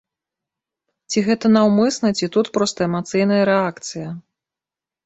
Ці гэта наўмысна ці тут проста эмацыйная рэакцыя?